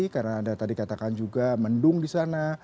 karena anda tadi katakan juga mendung di sana